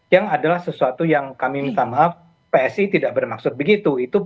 yang adalah sesuatu yang kami minta maaf psi tidak bermaksud begitu